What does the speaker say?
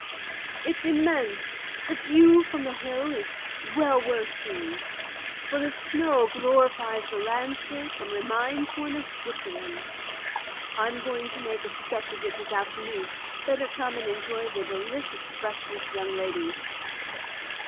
"It's immense! The view from the hill is well worth seeing, for the snow glorifies the landscape and reminds one of Switzerland. I'm going to make a sketch of it this afternoon; better come and enjoy the delicious freshness, young ladies."